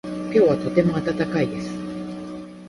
今日はとても暖かいです。